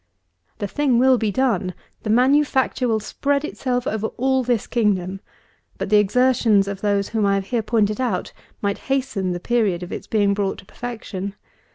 The thing will be done; the manufacture will spread itself all over this kingdom; but the exertions of those whom I have here pointed out might hasten the period of its being brought to perfection.